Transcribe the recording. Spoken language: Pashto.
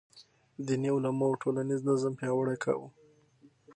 دیني علماو ټولنیز نظم پیاوړی کاوه.